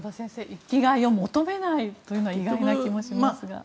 生きがいを求めないというのは意外な気もしますが。